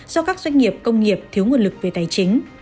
do các doanh nghiệp công nghiệp thiếu nguồn lực về tài chính